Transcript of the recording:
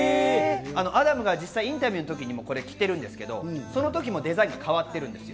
アダムが実際インタビューの時にも着てるんですけれども、その時もデザインが変わってます。